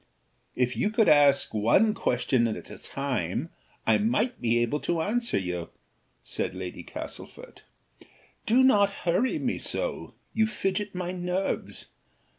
"If you would ask one question at a time, I might be able to answer you," said Lady Castlefort. "Do not hurry me so; you fidget my nerves.